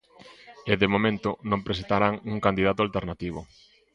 E de momento non presentarán un candidato alternativo.